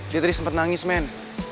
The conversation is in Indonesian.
dia tadi sempat nangis men